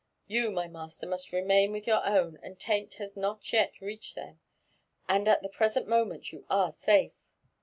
You, my master, must remain with your own ; the taint has not yet reached them, and at the present moment you are safe.